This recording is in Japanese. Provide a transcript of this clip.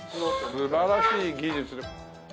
素晴らしい技術で。